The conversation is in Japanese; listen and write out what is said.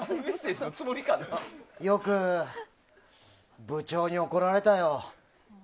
よく部長に怒られたよ。